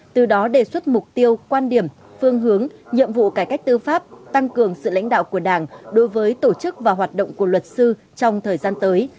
từ đó đề xuất mục tiêu quan điểm phương hướng nhiệm vụ cải cách tư pháp tăng cường sự lãnh đạo của đảng đối với tổ chức và hoạt động của luật sư trong thời gian tới